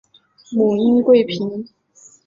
母殷贵嫔。